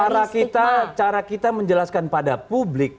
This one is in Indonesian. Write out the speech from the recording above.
cara kita cara kita menjelaskan pada publik